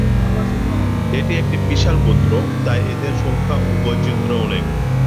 এটি একটি বিশাল গোত্র তাই এদের সংখ্যা ও বৈচিত্র্য অনেক।